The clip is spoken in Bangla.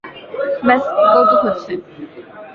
ব্যস কৌতুহল হচ্ছে।